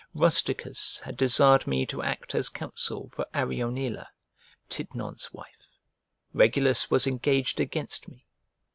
Rusticus had desired me to act as counsel for Arionilla, Titnon's wife: Regulus was engaged against me.